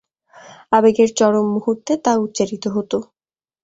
আবেগের চরম মুহূর্তে তা উচ্চারিত হত।